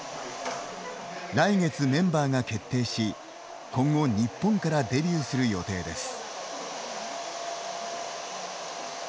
来月、メンバーが決定し今後、日本からデビューする予定です。